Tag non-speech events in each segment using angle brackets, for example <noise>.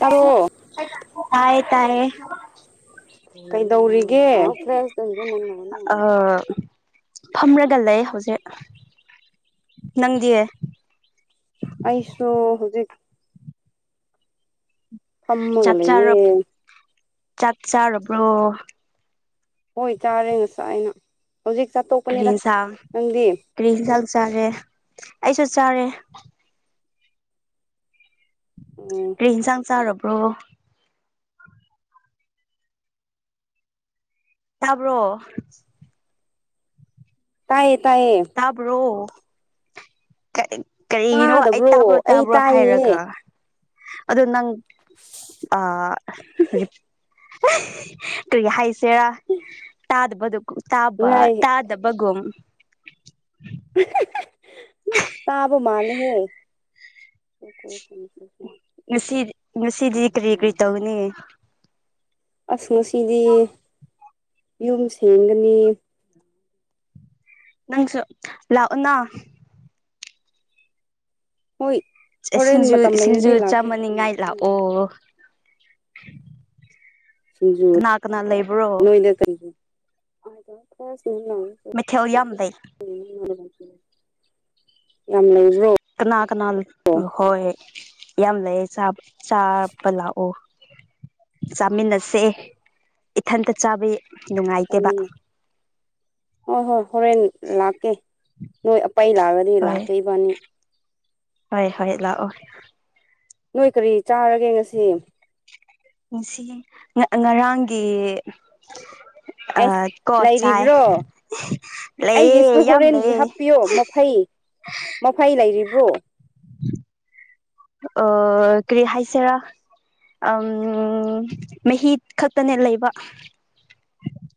ꯇꯥꯔꯣ ꯇꯑ ꯇꯥꯌꯦ ꯀꯩꯗꯧꯔꯤꯒꯦ ꯐ꯭ꯔꯦꯁꯇꯁꯨꯅ ꯐꯝꯔꯒ ꯂꯩ ꯍꯧꯖꯤꯛ ꯅꯪꯗꯤꯌꯦ ꯑꯩꯁꯨꯣ ꯍꯧꯖꯤꯛ ꯆꯥꯛ ꯆꯥꯔ ꯐꯝꯃꯒꯌꯦꯦ ꯆꯥꯛ ꯆꯥꯔꯕ꯭ꯔꯣ ꯍꯣꯏ ꯆꯥꯔꯦ ꯉꯁꯥꯏ ꯑꯩꯅ ꯍꯧꯖꯤꯛ ꯆꯥꯠꯇꯣꯛꯄꯅꯤꯗ ꯀꯔꯤꯟꯁꯥꯡ ꯅꯪꯗꯤ ꯀ꯭ꯔꯤꯟꯁꯥꯡ ꯆꯥꯔꯦ ꯑꯩꯁꯨ ꯆꯥꯔꯦ ꯎꯝ ꯔꯟ ꯆꯥꯡ ꯆꯥꯔꯔꯕ꯭ꯔꯣ ꯌꯥꯥꯕ꯭ꯔꯣ ꯇꯥꯏ ꯁꯥꯕ꯭ꯔꯣ ꯀ ꯀꯔꯤꯅꯣ ꯑꯩ ꯇꯥꯗꯕ꯭ꯔꯣ ꯇꯥꯕ꯭ꯔꯣ ꯑꯩ ꯇꯥꯕ꯭ꯔꯣ ꯇꯥꯏꯌꯦ ꯍꯥꯏꯔꯒ ꯑꯗꯣ ꯅꯪ ꯀꯔꯤ ꯍꯥꯏꯁ ꯍꯦꯔꯥꯛꯇꯥꯗꯕꯗꯨ ꯇꯥꯕ ꯉꯥꯏ ꯇꯥꯗꯕꯒ ꯇꯥꯕ ꯃꯥꯜ ꯍꯦ ꯀꯁꯨꯅꯤ ꯉꯁꯤꯗꯤ ꯉꯁꯤꯗꯤ ꯀꯔꯤ ꯀꯔꯤ ꯇꯧꯒꯅꯤ ꯑꯁ ꯉꯁꯤꯗꯤ ꯌꯨꯝ ꯁꯦꯡꯒꯅꯤ ꯅꯪꯁꯨ ꯂꯅꯥ ꯍꯣꯏ ꯍꯣꯔꯦꯟ ꯁꯤꯡꯖꯨ ꯃꯇꯝ ꯁꯤꯡꯖꯨ ꯂꯩꯔꯗꯤ ꯂꯥꯛꯀꯦ ꯆꯥꯃꯅꯤꯡꯉꯥꯏ ꯂꯥꯛꯑꯣ ꯁꯤꯖ ꯀꯅꯥ ꯀꯅꯥ ꯂꯩꯕ꯭ꯔꯣ ꯅꯣꯏꯗ ꯇꯖꯨ ꯃꯊꯦ ꯑꯣꯏ ꯌꯥꯝꯝꯗ ꯌꯥꯝ ꯂꯩ ꯀꯅꯥ ꯀꯅꯥ ꯍꯣꯏ ꯌꯥꯝ ꯂꯩꯌꯦ ꯆꯥꯕ ꯂꯥꯛꯑꯣ ꯆꯥꯃꯤꯟꯅꯁꯦ ꯏꯊꯟꯇ ꯆꯥꯕꯤ ꯉꯥꯏꯇꯦꯕ ꯆꯥꯃꯤꯟꯅ ꯍꯣꯏ ꯍꯣꯏ ꯍꯣꯔꯦꯟ ꯂꯥꯛꯀꯦ ꯅꯣꯏ ꯑꯄꯩ ꯂꯥꯛꯑꯒꯗꯤ ꯍꯣꯏ ꯂꯥꯛꯀ ꯏꯕꯥꯅꯤ ꯍꯣꯏ ꯍꯣꯏ ꯂꯥꯛꯑꯣ ꯅꯣꯏ ꯀꯔꯤ ꯆꯥꯔꯒꯦ ꯉꯁꯤ ꯉꯁꯤ ꯉꯔꯥꯡꯒꯤ ꯑ ꯑꯦꯁ ꯀ ꯆꯥꯏ ꯂꯩꯔꯤꯕ꯭ꯔꯣ ꯂꯩꯌꯦ ꯑꯩꯒꯤꯁꯨ ꯌꯥꯝ ꯍꯣꯔꯦꯟꯒꯤ ꯂꯩꯌꯦ ꯍꯥꯞꯄꯤꯌꯣ ꯃꯐꯩ ꯃꯐꯩ ꯂꯩꯔꯤꯕ꯭ꯔꯣ ꯑ ꯀꯔꯤ ꯍꯥꯏꯥꯏꯁꯦꯔ ꯝ ꯃꯍꯤ ꯈꯛꯇꯅꯦ ꯂꯩꯕ <unintelligible> <inaudible>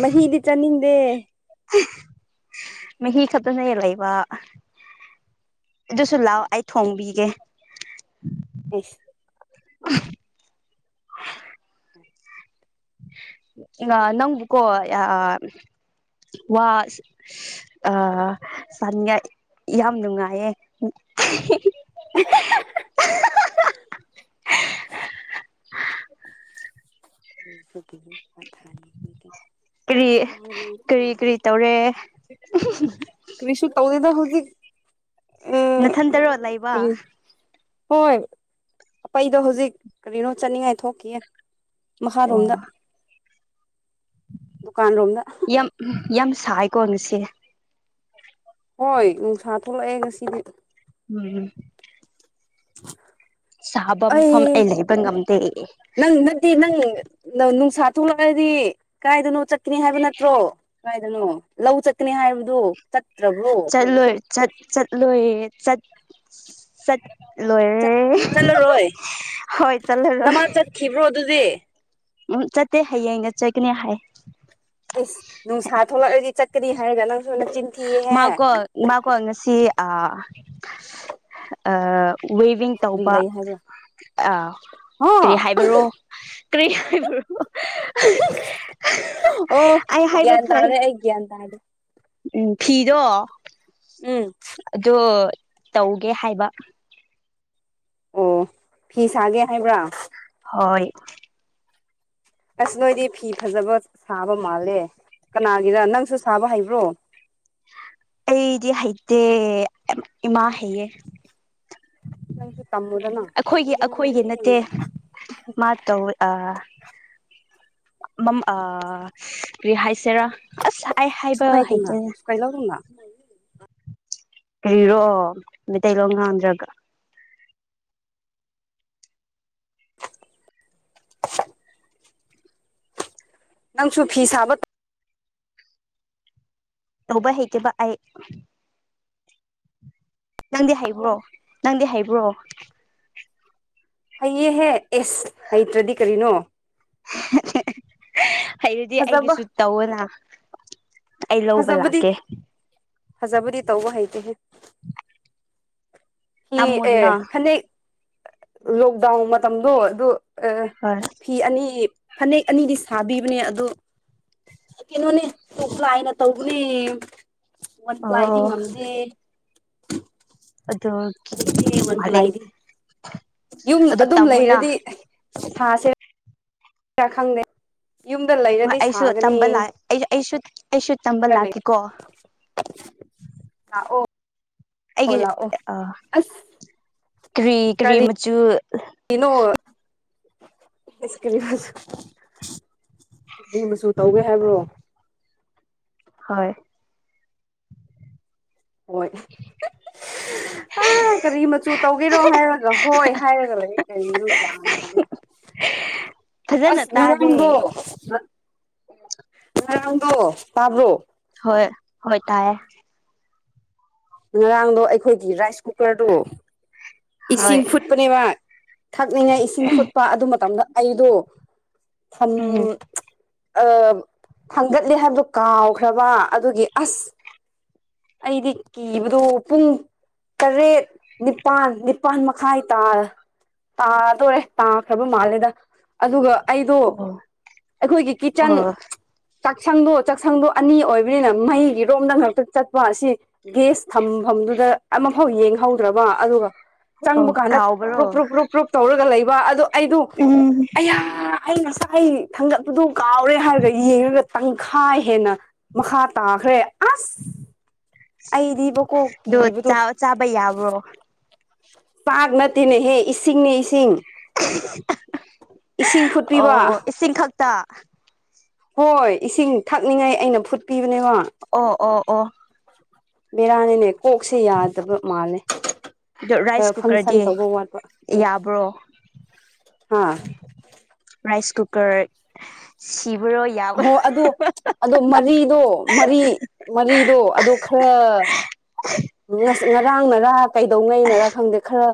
ꯃꯍꯤꯤꯗꯤ ꯆꯅꯤꯡꯗꯦ <unintelligible> <inaudible> ꯑꯣ <unintelligible> <inaudible> ꯐꯅ ꯂꯩꯕ ꯑꯗꯨꯁꯨ ꯂꯥꯛꯑꯣ ꯑꯩ ꯊꯣꯡꯕꯤꯒꯦ ꯑꯦꯁ <unintelligible> <inaudible> <unintelligible> <inaudible> ꯑ ꯅꯪ ꯀꯣ ꯑ ꯋꯥ ꯑ ꯁꯌꯥ ꯌꯥꯝ ꯅꯨꯡꯉꯥꯏꯌꯦ <unintelligible> <inaudible> <unintelligible> <inaudible> ꯎꯝ ꯀꯔꯤ ꯀꯔꯤ ꯀꯔꯤ ꯇꯧꯔꯦ ꯀꯔꯤꯁ ꯀꯧꯗꯗ ꯍꯧꯖꯤꯛ ꯑ ꯅꯊꯟꯇꯔꯣ ꯂꯩꯕ ꯀꯔꯤ ꯍꯣꯏ ꯑꯩꯩꯗꯣ ꯍꯧꯖꯤꯛ ꯀꯔꯤꯅꯣ ꯆꯠꯅꯤꯡꯉꯥꯏ ꯊꯣꯛꯈꯤꯌꯦ ꯃꯈꯥꯔꯣꯝꯗ ꯗꯨꯀꯥꯟ ꯔꯣꯝꯗ ꯌꯥꯝ ꯌꯥꯝ ꯁꯥꯏꯀꯣ ꯉꯁꯦ ꯍꯣꯏ ꯅꯨꯡꯁꯥ ꯊꯣꯛꯂꯛꯑꯦ ꯉꯁꯤꯗꯤ ꯎꯝ <unintelligible> ꯁꯥꯕ <inaudible> ꯃꯐꯝ ꯑꯩ ꯂꯩꯕ ꯉꯝꯗꯦ ꯅꯪ ꯅꯠꯇ ꯅꯪ ꯄꯁꯥ ꯊꯣꯛꯂꯛꯑꯗꯤ ꯀꯥꯏꯗꯅꯣ ꯆꯠꯀꯅꯤ ꯍꯥꯏꯕ ꯅꯠꯇ꯭ꯔꯣ ꯀꯥꯏꯗꯅꯣ ꯂꯧ ꯆꯠꯀꯅꯤ ꯍꯥꯏꯕꯗꯨꯣ ꯆꯠꯂꯣꯏ ꯆꯠ ꯆꯠꯂꯣꯏ ꯆꯠ ꯆꯠ ꯂꯣꯏ ꯆꯠꯂꯔꯣꯏ ꯍ ꯆꯂꯦ ꯂꯣ ꯅꯃꯥ ꯆꯠꯈꯤꯕ꯭ꯔꯣ ꯑꯗꯨꯗꯤ ꯎꯝ ꯆꯠꯇꯦ ꯍꯌꯦꯡꯅ ꯆꯠꯀꯅꯤ ꯍꯥꯏ ꯑꯦꯁ ꯅꯨꯡꯁꯥ ꯊꯣꯛꯂꯛꯂꯗꯤ ꯆꯠꯀꯅꯤ ꯍꯥꯏꯔꯒ ꯅꯪꯁꯨꯤꯟ ꯃꯥꯀꯣ ꯃꯥꯀꯣ ꯉꯁꯤ ꯑ ꯋꯦꯚꯡ ꯀꯔꯤ ꯇꯧꯕ ꯂꯩ ꯍꯥꯏꯕ꯭ꯔꯥ ꯀꯔꯤ ꯍꯥ ꯍꯥꯏꯕꯔꯣ ꯀ꯭ꯔꯤꯕ꯭ꯔꯣ ꯑꯣ ꯑ ꯒ꯭ꯌꯥꯟ ꯍꯥꯏꯕꯊꯜ ꯇꯥꯔꯦ ꯑꯩ ꯒ꯭ꯌꯥꯟ ꯇꯥꯔꯦ ꯎꯝ ꯐꯤꯗꯣ ꯎꯝ ꯑꯗꯨ ꯇꯧꯒꯦ ꯍꯥꯏꯕ ꯑꯣ ꯐꯤ ꯁꯥꯒꯦ ꯍꯥꯏꯕ꯭ꯔꯥ ꯍꯣꯏ ꯑꯁ ꯅꯣꯏꯗꯤ ꯐꯤ ꯐꯖꯕ ꯁꯥꯕ ꯃꯥꯜꯂꯦ ꯀꯅꯥꯒꯤꯔ ꯅꯪꯁꯨ ꯁꯥꯕ ꯍꯩꯕ꯭ꯔꯣ ꯑꯩꯗꯤ ꯍꯩꯇꯦ ꯏꯃꯥ ꯍꯩꯌꯦ ꯅꯪꯁꯨ ꯇꯝꯃꯨꯗꯅ ꯑꯩꯈꯣꯏꯒꯤ ꯑꯩꯈꯣꯏꯒꯤ ꯅꯠꯇꯦ ꯃꯥ ꯇꯧ ꯑ ꯃ ꯑꯔꯤꯍ ꯁꯦꯔ ꯑꯁ ꯑꯩ ꯍꯥꯏꯕ ꯁꯨꯀꯥꯏꯗꯨꯅ ꯍꯩꯇꯅꯦ ꯁꯨꯀꯥꯏ ꯂꯧꯗꯨꯅ ꯀꯔꯤꯔꯣꯑꯣ ꯃꯩꯇꯩꯂꯣꯡ ꯉꯥꯡꯗ꯭ꯔꯒ ꯅꯪꯁꯨ ꯐꯤ ꯁꯥꯕ ꯇꯧ ꯇꯧꯕ ꯍꯩꯇꯈꯤꯕ ꯑꯩ ꯅꯪꯗꯤ ꯍꯩꯕ꯭ꯔꯣ ꯅꯪꯗꯤ ꯍꯩꯕ꯭ꯔꯣ ꯍꯩꯌꯦꯍꯦ ꯑꯦꯁ ꯍꯩꯇ꯭ꯔꯗꯤ ꯀꯔꯤꯅꯣ ꯍꯥꯏ ꯑꯗꯨꯗꯤ ꯐꯖꯕ ꯑꯩꯒꯤꯁꯨ ꯇꯧꯋꯅ ꯑꯩ ꯂꯧꯕ ꯂꯥꯛꯀꯦ ꯍꯖꯥꯕꯨꯗꯤ ꯇꯧ ꯍꯥꯏꯩꯗꯤꯍꯦ ꯍꯤ ꯑꯦ ꯇꯝꯃꯣꯗꯅ ꯐꯅꯦꯛ ꯂꯣꯛꯗꯥꯎꯟ ꯃꯇꯝꯗꯣ ꯑꯗꯨ ꯑ ꯍꯣꯏ ꯐꯤ ꯑꯅꯤ ꯐꯅꯦꯛ ꯑꯅꯤꯗꯤ ꯁꯥꯕꯤꯕꯅꯦ ꯑꯗ ꯀꯩꯅꯣꯅꯦ ꯄ꯭ꯂꯥꯏꯅ ꯇꯧꯕꯅꯦ ꯋꯥꯠ ꯄ꯭ꯂꯥꯏꯗꯤ ꯑꯣ ꯉꯝꯗꯦ ꯑꯗꯨꯗꯒꯦꯔꯤ ꯋꯥꯟ ꯃꯦ ꯄ꯭ꯂꯥꯏꯗꯤ ꯌꯨꯝ ꯑꯗꯨꯝ ꯂꯩꯔꯗꯤ ꯊꯥꯁꯦ ꯌꯥ ꯈꯪꯗꯦ ꯍꯣꯏ ꯂꯩꯔꯗꯤ ꯁꯥꯒꯅꯤ ꯑꯩꯁꯨꯝꯕ ꯑꯩꯁꯨ ꯇꯝꯕ ꯂꯥꯛꯀꯦꯀꯣ ꯑ ꯑꯣ ꯑꯩꯒꯤ ꯑ ꯑꯁ ꯀꯔꯤ ꯀꯔꯤ ꯃꯆꯨ ꯏꯩꯅꯣꯀꯤ ꯃꯤ ꯃꯆꯨ ꯇꯧꯒꯦ ꯍꯥꯏꯕ꯭ꯔꯣ ꯍꯣꯏ ꯍꯣꯏ ꯑ ꯀꯔꯤ ꯃꯆꯨ ꯇꯧꯒꯦꯔꯣ ꯍꯥꯏꯔꯒ ꯍꯣꯏ ꯍꯥꯏꯔꯒ ꯂꯩ ꯀꯔꯤꯅꯣ ꯒ꯭ꯌꯥꯟ ꯇꯥꯅꯤ ꯐꯖꯅ ꯑꯁ ꯇꯥꯗꯦ ꯉꯔꯝꯗꯣ ꯉꯔꯥꯡꯗꯣ ꯇꯥꯕ꯭ꯔꯣ ꯍꯣꯏ ꯍꯣꯏ ꯇꯦ ꯉꯔꯥꯡꯗꯣ ꯑꯩꯈꯣꯏꯒꯤ ꯔꯥꯏꯁ ꯀ ꯀꯨꯀꯔꯗꯨ ꯍꯣꯏ ꯏꯁꯤꯡ ꯐꯨꯠꯄꯅꯦꯕ ꯊꯛꯅꯤꯡꯉꯥꯏ ꯏꯁꯤꯡ ꯐꯨꯠꯄ ꯑꯗꯨ ꯃꯇꯝꯗ ꯑꯩꯗꯣ ꯐꯟ ꯎꯝ ꯊꯥꯡꯒꯠꯂꯦ ꯍꯥꯏꯕꯗꯨꯣ ꯀꯥꯎꯈ꯭ꯔꯕ ꯑꯗꯨꯒꯤ ꯑꯁ ꯑꯩꯗꯤ ꯀꯤꯕꯗꯨ ꯄꯨꯡ ꯇꯔꯦꯠ ꯅꯤꯄꯥꯜ ꯅꯤꯄꯥꯜ ꯃꯈꯥꯏ ꯇꯥ ꯇꯥꯗꯣꯔꯦ ꯇꯥꯈ꯭ꯔꯕ ꯃꯥꯜꯂꯦꯗ ꯑꯗꯨꯒ ꯑꯩꯗꯣ ꯑꯣ ꯑꯩꯈꯣꯏꯒꯤ ꯀꯤꯠꯆꯟ ꯑꯣ ꯆꯥꯛꯁꯪꯗꯣ ꯆꯥꯛꯁꯪꯗꯣ ꯑꯅꯤ ꯑꯣꯏꯕꯅꯤꯅ ꯃꯍꯩꯒꯤꯔꯣꯝꯗ ꯉꯥꯛꯛꯇ ꯆꯠꯄ ꯑꯁꯤ ꯒꯦꯁ ꯊꯝꯐꯝꯗꯨꯗ ꯑꯃꯐꯥꯎ ꯌꯦꯡꯍꯧꯗ꯭ꯔꯕ ꯑꯗꯨꯒ ꯆꯪꯕ ꯑꯣ ꯀꯥꯟꯗ ꯄꯨꯞ ꯀꯥꯎꯕ꯭ꯔꯣ ꯄ꯭ꯔꯨꯞ ꯄ꯭ꯔꯨꯞ ꯄ꯭ꯔꯨꯞ ꯇꯧꯔꯒ ꯂꯩ ꯑꯗꯣ ꯑꯩꯗ ꯎꯝ ꯑ ꯑꯩ ꯉꯁꯥꯏ ꯑꯩ ꯊꯥꯡꯒꯠꯄꯗꯨ ꯀꯥꯎꯔꯦ ꯍꯥꯏꯔꯒ ꯌꯦꯡꯉꯒ ꯇꯪꯈꯥꯏ ꯍꯦꯟꯅ ꯃꯈꯥ ꯇꯥꯈ꯭ꯔꯦ ꯑꯁ ꯑꯩꯗꯤꯕꯀꯣ ꯑꯗꯨꯣ ꯀꯤꯕꯗꯣ ꯆꯥꯕ ꯌꯥꯕ꯭ꯔꯣ ꯄꯥꯥꯛ ꯅꯠꯇꯦꯅꯦꯍꯦ ꯏꯁꯤꯡꯅꯦ ꯏꯁꯤꯡ ꯏꯁꯤꯡ ꯐꯨꯠꯄꯤꯕ ꯑꯣ ꯏꯁꯤꯡ ꯈꯛꯇ ꯍꯣꯏ ꯏꯁꯤꯡ ꯊꯛꯅꯤꯡꯉꯥꯏ ꯑꯩꯅ ꯐꯨꯠ ꯑꯣ ꯑꯣ ꯑꯣ ꯕꯤꯔꯥꯅꯤꯅꯦ ꯀꯣꯛꯁꯦ ꯌꯥꯗꯕ ꯃꯥꯜꯂꯦ ꯑꯗꯨ ꯈꯔ ꯔꯥꯏꯁ ꯐꯪꯁꯟ ꯀꯨꯀꯔꯗꯤ ꯇꯧꯕ ꯋꯥꯠꯄ ꯌꯥꯕ꯭ꯔꯣ ꯍꯥꯥ ꯔꯥꯏꯁ ꯀꯨꯀꯔ ꯁꯤꯕꯔꯣ ꯌꯥꯎ ꯍꯣ ꯑꯗꯣ ꯃꯔꯤꯗꯣ ꯑꯗꯣ ꯃꯔꯤ ꯃꯔꯤꯗꯣ ꯑꯗꯣ ꯈꯔ ꯎ ꯉꯔꯥꯡꯅꯔꯥ ꯀꯩꯗꯧꯉꯩꯅꯔꯥ ꯈꯪꯗꯦ ꯈꯔ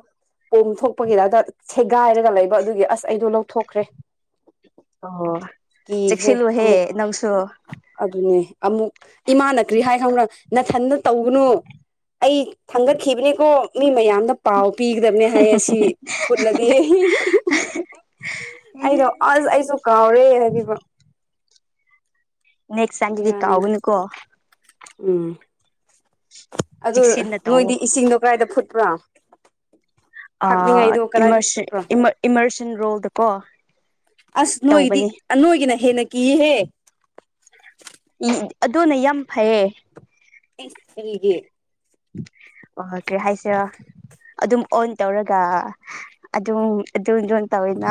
ꯄꯣꯝꯊꯣꯛꯄꯒꯤꯗꯗ ꯁꯦꯒꯥꯏꯔꯒ ꯂꯩꯕ ꯑꯗꯨꯒꯤ ꯑꯁ ꯑꯩꯗꯣ ꯂꯧꯊꯣꯛꯈ꯭ꯔꯦ ꯑꯣ ꯀꯤꯈ꯭ꯔꯦ ꯆꯦꯛꯁꯤꯜꯂꯨꯍꯦ ꯑꯃꯨꯛ ꯅꯪꯁꯨ ꯑꯗꯨꯅꯦ ꯑꯃꯨꯛ ꯏꯃꯥ ꯅꯠꯇ꯭ꯔꯤ ꯍꯥꯏ ꯈꯪꯕ꯭ꯔꯣ ꯅꯊꯟꯟꯅ ꯇꯧꯒꯅꯨ ꯑꯩ ꯊꯥꯡꯒꯠꯈꯤꯕꯅꯦꯀꯣ ꯃꯤ ꯃꯌꯥꯝꯅ ꯄꯥꯎ ꯄꯤꯒꯗꯕꯅꯦ ꯍꯥꯏꯌꯦ ꯑꯁꯤ ꯐꯨꯠꯂꯗꯤ ꯑꯩꯗꯣ ꯑꯁ ꯑꯩꯁꯨ ꯀꯥꯎꯔꯦ ꯍꯥꯏꯗꯤ ꯅꯦꯛꯦꯛꯁ ꯁꯖꯗꯤ ꯕꯤꯔꯥꯅꯤꯅꯦ ꯇꯥꯎꯒꯅꯤꯀꯣ ꯎꯝ ꯑꯗꯨ ꯆꯦꯛꯁꯤꯟꯅ ꯅꯣꯏꯗꯤ ꯇꯧꯋ ꯏꯁꯤꯡꯗꯣ ꯀꯗꯥꯥꯏꯗ ꯐꯨꯠꯄ꯭ꯔꯥ ꯏꯃꯔꯁꯟ ꯔꯣꯜꯗꯀꯣ ꯑꯁ ꯅꯣꯏꯒꯤꯗꯤ ꯇꯧꯕꯅꯤ ꯅꯣꯏꯒꯤꯅ ꯍꯦꯟꯅ ꯀꯤꯌꯦꯍꯦ ꯑꯗꯨꯅ ꯌꯥꯝ ꯐꯩꯌꯦ ꯦ ꯑꯣ ꯀ ꯍꯥꯏꯁ ꯑꯗꯨꯝ ꯑꯣꯟ ꯇꯧꯔꯒ ꯑꯗꯨꯝ ꯑꯗꯨꯝ ꯌꯖꯣꯟ ꯇꯧꯋꯦꯅ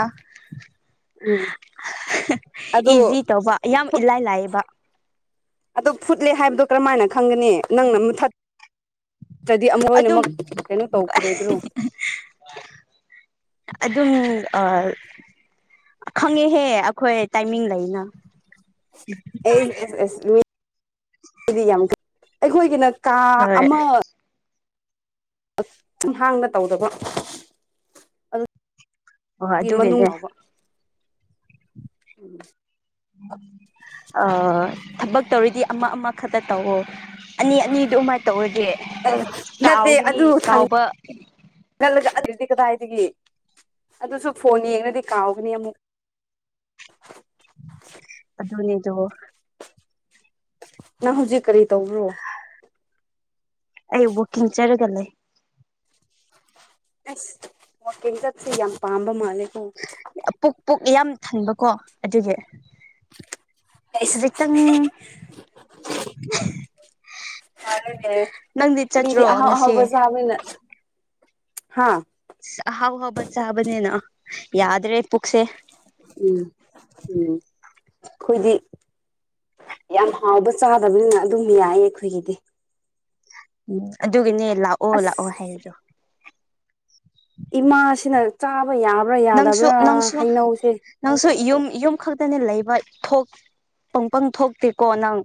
ꯎꯝ ꯑꯗꯣ ꯏꯖꯤ ꯇꯧꯕ ꯌꯥꯝ ꯏꯂꯥꯏ ꯂꯥꯏꯌꯦꯕ ꯑꯗꯣ ꯐꯨꯠꯂꯦ ꯍꯥꯏꯕꯗꯣ ꯀꯔꯝꯥꯏꯅ ꯈꯪꯒꯅꯤ ꯅꯪꯅ ꯃꯨꯊꯠ ꯅ꯭ꯔꯗꯤ ꯑꯃ ꯑꯗꯨꯝ ꯂꯣꯏꯅꯃꯛ ꯀꯩꯅꯣ ꯇꯧꯈꯤꯔꯣꯏꯗ꯭ꯔꯣ ꯑꯗꯨꯝ ꯈꯪꯉꯦꯍꯦ ꯑꯩꯈꯣꯏ ꯇꯥꯏꯃꯤꯡ ꯂꯩꯅ ꯑꯦꯁ ꯑꯦꯁ ꯑꯦꯁ ꯃꯤ ꯌꯥꯝ ꯑꯩꯈꯣꯏꯒꯤꯅ ꯀꯥ ꯍꯣꯏ ꯑꯃ ꯨꯝ ꯍꯥꯡꯅ ꯇꯧꯗꯕ ꯑꯗꯨ ꯍꯣꯏ ꯒꯤ ꯃꯅꯨꯡ ꯑꯗꯨꯒꯤꯅꯦ ꯂꯥꯎꯕ ꯎꯝ ꯑ ꯊꯕꯛ ꯌꯥꯗ꯭ꯔꯦ ꯇꯧꯔꯤꯗꯤ ꯑꯃ ꯑꯃꯈꯛꯇ ꯇꯧꯋꯣ ꯑꯅꯤ ꯑꯅꯤꯗꯨ ꯑꯃ ꯇꯧꯔꯁ ꯑꯦ ꯀꯥꯎꯒꯅꯤ ꯀꯥꯎꯕ ꯅꯒ ꯀꯗꯥꯏꯗꯒꯤ ꯑꯗꯨꯁꯨ ꯐꯣꯟ ꯌꯦꯡꯅꯗꯤ ꯀꯥꯎꯒꯅꯤ ꯑꯃꯨꯛ ꯑꯗꯨ ꯅꯪ ꯍꯧꯖꯤꯛ ꯀꯔꯤ ꯇꯧꯕ꯭ꯔꯣ ꯑꯕꯀꯤꯡ ꯆꯔꯒ ꯂꯩꯦ ꯑꯦꯁ ꯋꯥꯀꯡ ꯆꯠꯁꯤ ꯌꯥꯝ ꯄꯥꯝꯕ ꯃꯥꯂꯦꯀꯣ ꯏꯌꯥꯝ ꯊꯟꯕꯀꯣ ꯑꯗꯨꯒꯤ ꯑꯩꯁ ꯈꯖꯤꯛꯇꯪ <unintelligible> <unintelligible> ꯑꯔꯦ ꯅꯪꯗꯤ ꯃꯤꯗꯤ ꯆꯠꯇ꯭ꯔꯣ ꯑꯍ ꯉꯁꯤ ꯑꯍꯥꯎꯕꯁꯨꯅ ꯍꯥ ꯍꯥꯎ ꯍꯕ ꯆꯍꯕꯅꯦꯦꯅ ꯌꯥꯗ꯭ꯔꯦ ꯄꯨꯛꯁꯦ ꯎꯝ ꯎꯝ ꯑꯩꯈꯣꯏꯗꯤ ꯌꯥꯝ ꯍꯥꯎꯕ ꯆꯥꯗꯕꯅꯤꯅ ꯑꯗꯨꯝ ꯌꯥꯏꯌꯦ ꯑꯩꯈꯣꯏꯒꯤꯗꯤ ꯎꯝ ꯑꯗꯨꯒꯤꯅꯦ ꯂꯥꯛꯑꯣ ꯂꯥꯛꯑꯣ ꯑꯁ ꯍꯥꯏꯗꯣ ꯏꯃꯥꯁꯤꯅ ꯆꯥꯕ ꯌꯥꯕ꯭ꯔꯥ ꯅꯪꯁꯨ ꯌꯥꯗꯕ꯭ꯔꯥ ꯅꯪꯁꯨ ꯍꯩꯅꯧꯁꯦ ꯅꯪꯁꯨ ꯌꯨꯝ ꯌꯨꯝ ꯈꯛꯇꯅꯦ ꯂꯩꯕ ꯄꯪꯄꯪ ꯊꯣꯛꯇꯦꯀꯣ ꯅꯪ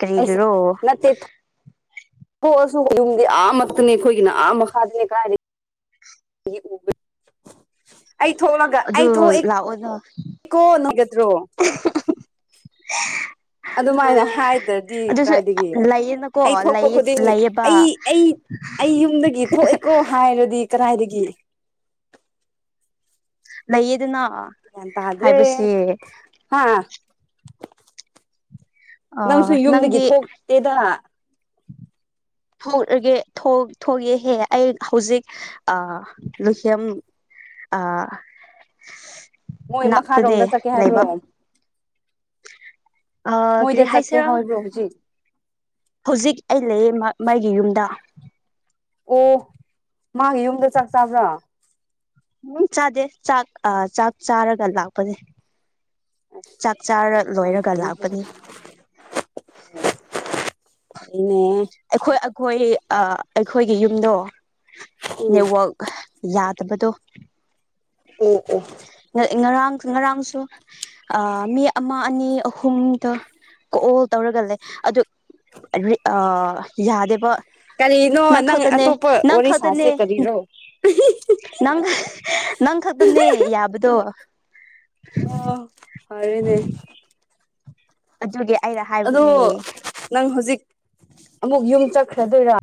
ꯀꯔꯤꯒ꯭ꯔꯣ ꯍꯁꯨ ꯌꯨꯝꯗꯤ ꯑꯥꯃꯛꯇꯅꯤ ꯑꯩꯈꯣꯏꯒꯤꯅ ꯑꯥ ꯃꯈꯥꯗꯅꯦ ꯀꯗꯥꯥꯏ ꯑꯩ ꯎꯕ ꯑꯩ ꯊꯣꯛꯂꯒ ꯑꯗꯨ ꯑꯩ ꯊꯣꯛꯏ ꯂꯥꯛꯑꯣꯅ ꯀꯣ ꯅꯨꯡꯒꯗ꯭ꯔꯣ <unintelligible> <unintelligible> ꯑꯗꯨꯃꯥꯏꯅ ꯍꯥꯏꯗ꯭ꯔꯗꯤ ꯑꯗꯨꯁꯨ ꯀꯗꯥꯥꯏꯗꯒꯤ ꯂꯩꯌꯦꯅꯀꯣ ꯑꯩ ꯊꯣꯛꯄ ꯂꯩꯌꯦ ꯈꯨꯗꯤꯡ ꯂꯩꯌꯦꯕ ꯑꯩ ꯑꯩ ꯑꯩ ꯌꯨꯝꯗꯒꯤ ꯊꯣꯛꯑꯦꯀꯣ ꯍꯥꯏꯔꯗꯤ ꯀꯔꯥꯏꯗꯒꯤ ꯂꯩꯌꯦꯗꯅ ꯇꯥꯗ꯭ꯔꯦ ꯍꯥꯏꯕꯁ ꯍꯥ ꯑ ꯅꯪꯁꯨ ꯌꯨꯝꯗꯒꯤ ꯅꯪꯗꯤ ꯊꯣꯛꯇꯦꯗ ꯊꯣꯛꯒꯦ ꯊꯣꯛꯑꯦꯍꯦ ꯑꯩ ꯍꯧꯖꯤꯛ ꯂꯨꯍꯤꯦꯝ ꯑ ꯃꯣꯏ ꯛꯇꯅꯦ ꯃꯈꯥꯔꯣꯝꯗ ꯆꯠꯀꯦ ꯍꯥꯏꯕ꯭ꯔꯣ ꯂꯩꯕ ꯑ ꯃꯣꯏꯗ ꯆꯠꯀꯦ ꯀꯔꯤꯍꯥꯏꯁꯔ ꯍꯥꯏꯕ꯭ꯔꯣ ꯍꯧꯖꯤꯛ ꯍꯧꯖꯤꯛ ꯑꯩ ꯂꯩꯌꯦ ꯃꯥꯒꯤ ꯌꯨꯝꯗ ꯑꯣ ꯃꯥꯒꯤ ꯌꯨꯝꯗ ꯆꯥꯛ ꯆꯥꯕ꯭ꯔꯥ ꯎꯝ ꯆꯥꯗꯦ ꯆꯥꯛ ꯑ ꯆꯥꯛ ꯆꯥꯔꯒ ꯂꯥꯛꯄꯅꯦ ꯆꯥꯛ ꯆꯥꯔ ꯑ ꯌꯥꯝ ꯌꯥꯝ ꯂꯣꯏꯔꯒ ꯐ ꯂꯥꯛꯄꯅꯤ <unintelligible> <inaudible> ꯑꯩꯈꯣꯏ ꯑꯩꯈꯣꯏ ꯑꯩꯈꯣꯏꯒꯤ ꯌꯨꯝꯗꯣ ꯎꯝ ꯅꯦꯠꯋꯥꯛ ꯌꯥꯗꯕꯗꯣ ꯑꯣ ꯑꯣ ꯉꯔꯥꯡ ꯉꯔꯥꯡꯁꯨ ꯃꯤ ꯑꯃ ꯑꯅꯤ ꯑꯍꯨꯝꯗ ꯀꯣꯜ ꯇꯧꯔꯒ ꯂꯩ ꯑꯗꯨ ꯌꯥꯗꯦꯕ ꯀꯔꯤꯅꯣ ꯅꯪ ꯈꯥꯛꯇꯅꯦ ꯑꯇꯣꯞꯄ ꯅꯪ ꯋꯥꯔꯤ ꯁꯥꯁꯦ ꯈꯥꯛꯗꯅꯦ ꯀꯔꯤꯔꯣ ꯅꯪ ꯅꯪ ꯈꯛꯇꯅꯦ ꯌꯥꯕꯗꯣ ꯑꯣ ꯐꯔꯦꯅꯦ ꯑꯗꯨꯒꯤ ꯑꯩꯅ ꯑꯗꯣ ꯍꯥꯏꯕꯅꯦ ꯅꯪ ꯍꯧꯖꯤꯛ ꯑꯃꯨꯛ ꯌꯨꯝ ꯆꯠꯈ꯭ꯔꯗꯣꯏꯔꯥ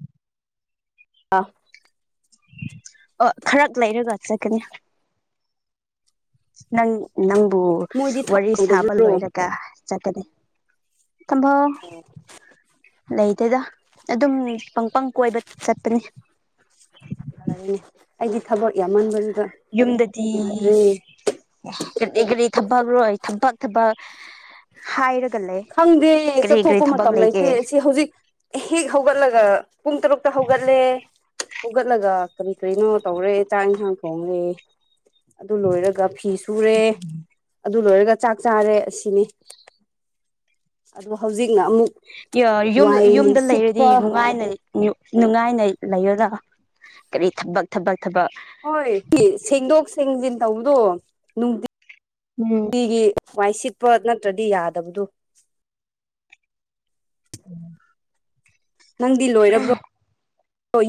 ꯋꯥ ꯑ ꯈꯔ ꯂꯩꯔꯒ ꯆꯠꯀꯅꯤ ꯅꯪ ꯅꯪꯕꯨ ꯃꯣꯏꯗꯤ ꯋꯥꯔꯤ ꯁꯥꯕ ꯊꯧꯗꯕ꯭ꯔꯣ ꯂꯣꯏꯔꯒ ꯆꯠꯀꯅꯤ ꯇꯝꯕ ꯂꯩꯗꯗ ꯑꯗꯨꯝ ꯄꯪꯄꯪ ꯀꯣꯏꯕ ꯆꯠꯄꯅꯤ ꯌꯥꯅꯦ ꯑꯩꯗꯤ ꯊꯕꯛ ꯌꯥꯝꯃꯟꯕ ꯌꯨꯝꯗꯗꯤ ꯀꯒꯗꯤ ꯊꯄꯔꯣꯏ ꯊꯕꯛ ꯊꯕꯛ ꯍꯥꯏꯔꯒ ꯂꯩ ꯈꯪꯗꯦ ꯀꯔꯤ ꯀꯔꯤ ꯆꯠꯊꯣꯛꯄ ꯊꯕꯛ ꯃꯇꯝ ꯂꯩꯒꯦ ꯂꯩꯇꯦ ꯁꯤ ꯍꯧꯖꯤꯛ ꯍꯦꯛ ꯍꯧꯒꯠꯂꯒ ꯄꯨꯡ ꯇꯔꯨꯛꯇ ꯍꯧꯠ ꯐꯒꯠꯂꯦ ꯍꯧꯒꯠꯂꯒ ꯀꯔꯤ ꯀꯔꯤꯅꯣ ꯇꯧꯔꯦ ꯆꯥꯛ ꯏꯟꯁꯥꯡ ꯊꯣꯡꯔꯦ ꯑꯗꯨ ꯂꯣꯏꯔꯒ ꯐꯤ ꯁꯨꯔꯦ ꯑꯗꯨ ꯂꯣꯏꯔꯒ ꯆꯥꯛ ꯆꯥꯔꯦ ꯑꯁꯤꯅꯤ ꯑꯗꯨ ꯍꯧꯖꯤꯛ ꯌ ꯌꯨꯝꯗ ꯂꯩꯔꯗꯤ ꯁꯤꯠꯄ ꯅꯨꯡꯉꯥꯏꯅ ꯅꯨꯡꯉꯥꯏꯅ ꯂꯩꯌꯗ ꯀꯔꯤ ꯊꯕꯛ ꯊꯕꯛ ꯊꯕꯛ ꯍꯣꯏ ꯁꯦꯡꯗꯣꯛ ꯁꯦꯡꯖꯤꯟ ꯇꯧꯕꯗꯣ ꯅꯨꯡꯇꯤ ꯎꯝ ꯅꯨꯡꯇꯒꯤ ꯋꯥꯏ ꯁꯤꯠꯄ ꯅꯠꯇ꯭ꯔꯗꯤ ꯌꯥꯗꯕꯗꯨ ꯑꯣ ꯅꯪꯗꯤ ꯂꯣꯏꯔꯕ꯭ꯔꯣ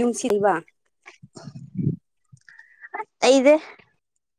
ꯌꯨꯝꯁꯤꯜꯂꯤꯕ ꯗꯦ